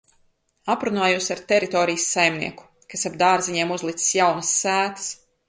Aprunājos ar teritorijas saimnieku, kas ap dārziņiem uzlicis jaunas sētas.